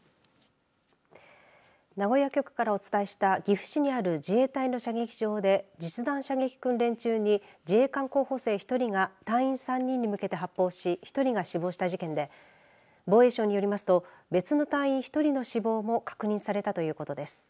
名古屋局からお伝えした岐阜市にある自衛隊の射撃場で実弾射撃訓練中に自衛官候補生１人が隊員３人に向けて発砲し１人が死亡した事件で防衛省によりますと別の隊員１人の死亡も確認されたということです。